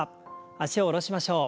脚を下ろしましょう。